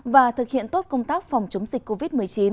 và thực hiện tốt công tác phòng chống dịch covid một mươi chín